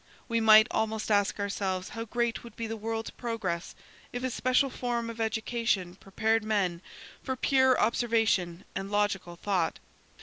We might almost ask ourselves how great would be the world's progress if a special form of education prepared men for pure observation and logical thought.